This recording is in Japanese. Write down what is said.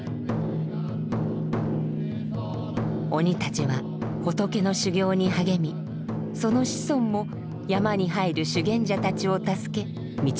鬼たちは仏の修行に励みその子孫も山に入る修験者たちを助け導きました。